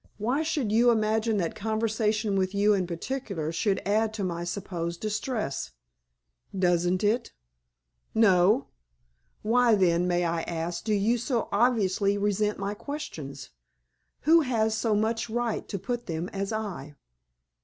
Why should you imagine that conversation with you in particular should add to my supposed distress?" "Doesn't it?" "No." "Why, then, may I ask, do you so obviously resent my questions? Who has so much right to put them as I?"